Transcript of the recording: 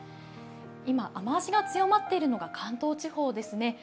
今、雨足が強まっているのが関東地方ですね。